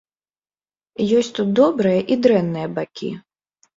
Ёсць тут добрыя і дрэнныя бакі.